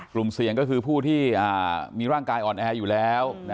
กลุ่มเสี่ยงก็คือผู้ที่มีร่างกายอ่อนแออยู่แล้ว